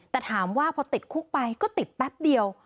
แต่ถามว่าพอติดคุกไปก็ติดแป๊บเดียว